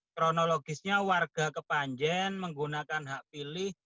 kronologisnya warga kepanjen menggunakan hak pilih